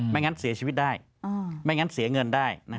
ไม่งั้นเสียชีวิตได้ไม่งั้นเสียเงินได้